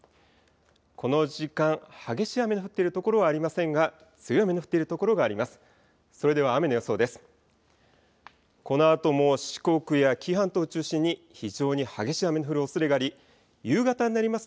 この時間、激しい雨が降っているところはありませんが強い雨の降っている所があります。